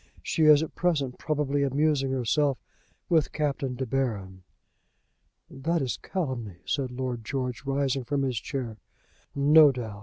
She is at present probably amusing herself with Captain De Baron." "That is calumny," said Lord George, rising from his chair. "No doubt.